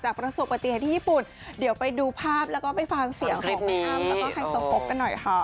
จากประสูจน์ประติภัยที่ญี่ปุ่นเดี๋ยวไปดูภาพแล้วก็ไปฟังเสียงของอ้ำแล้วก็ไอจีไฮโซโฟคกันหน่อยค่ะ